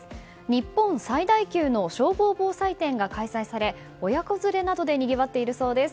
日本最大級の消防防災展が開催され親子連れなどでにぎわっているそうです。